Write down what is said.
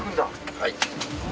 はい。